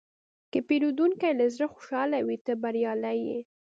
که پیرودونکی له زړه خوشحاله وي، ته بریالی یې.